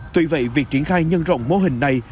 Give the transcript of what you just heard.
tuy vậy việc triển khai nhân rộng mô hình này